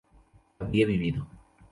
había vivido